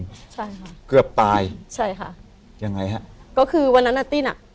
ใช่ค่ะเกือบตายยังไงค่ะก็คือวันนั้นอะตี้นอะ